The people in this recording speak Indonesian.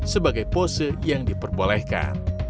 sebagai pose yang diperbolehkan